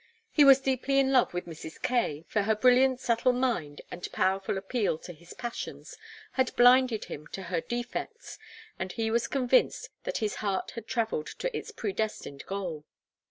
He was deeply in love with Mrs. Kaye, for her brilliant subtle mind and powerful appeal to his passions had blinded him to her defects, and he was convinced that his heart had travelled to its predestined goal.